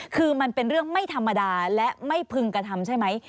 คือมันเป็นเรื่องไม่ธรรมดาและไม่พึงกระทำใช่ไหม